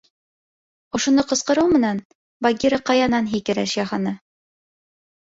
Ошоно ҡысҡырыу менән Багира ҡаянан һикереш яһаны.